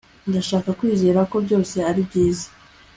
Ndashaka kwizera ko byose ari byiza